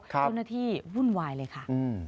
เจ้าหน้าที่วุ่นวายเลยค่ะ